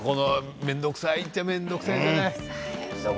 面倒くさいっちゃ面倒くさいよね。